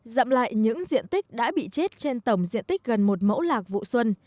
dặm lại những diện tích đã bị chết trên tổng diện tích gần một mẫu lạc vụ xuân